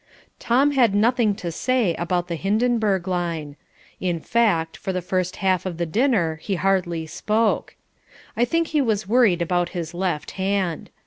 Tom had nothing to say about the Hindenburg line. In fact, for the first half of the dinner he hardly spoke. I think he was worried about his left hand.